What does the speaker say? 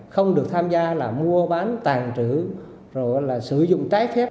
không được tham gia là mua bán tàn trữ rồi là sử dụng trái phép